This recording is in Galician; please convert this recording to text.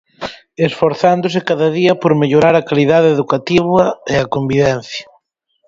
Esforzándose cada día por mellorar a calidade educativa e a convivencia.